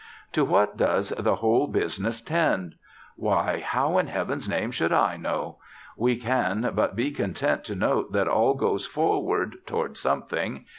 To what does the whole business tend? why, how in heaven's name should I know? We can but be content to note that all goes forward, toward something....